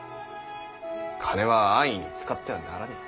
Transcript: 金は安易に使ってはならねぇ。